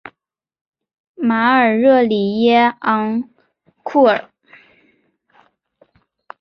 马尔热里耶昂库尔。